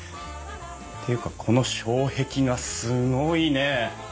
っていうかこの障壁画すごいね！